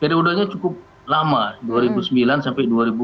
pada udahnya cukup lama dua ribu sembilan sampai dua ribu dua puluh tiga